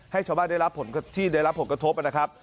ให้ชาวบ้านได้รับผลที่ได้รับผลกระทบนะครับ